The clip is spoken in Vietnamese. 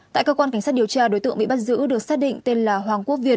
tại cơ quan cảnh sát điều tra đối tượng bị bắt giữ được xác định tên là hoàng quốc việt